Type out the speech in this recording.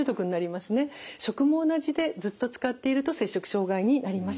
食も同じでずっと使っていると摂食障害になります。